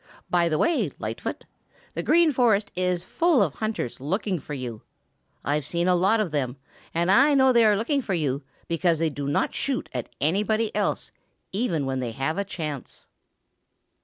By the way, Lightfoot, the Green Forest is full of hunters looking for you. I've seen a lot of them, and I know they are looking for you because they do not shoot at anybody else even when they have a chance."